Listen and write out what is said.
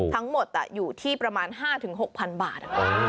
ทั้งหมดอยู่ที่ประมาณ๕๖๐๐๐บาท